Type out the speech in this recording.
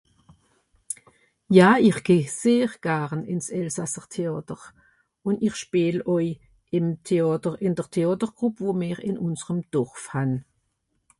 ja ìr geh sehr garn ìns elsasser Théàter ùn ir schpeel òj ìm Théàter ìn dr Théàtergroup wò mer ìn ùnserem Dòrf han